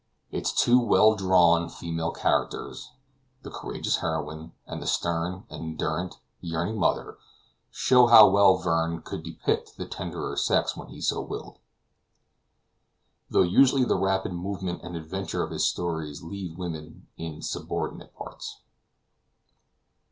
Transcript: Its two well drawn female characters, the courageous heroine, and the stern, endurant, yearning mother, show how well Verne could depict the tenderer sex when he so willed. Though usually the rapid movement and adventure of his stories leave women in subordinate parts.